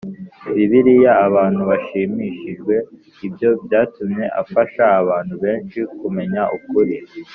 Bibiliya abantu bashimishijwe Ibyo byatumye afasha abantu benshi kumenya ukuri